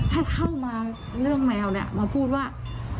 ให้เข้ามาเรื่องแมวเนี่ยมาพูดว่า